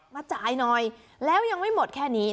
มาจ่ายหน่อยแล้วยังไม่หมดแค่นี้